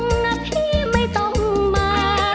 ลงพุงนะพี่ไม่ต้องมา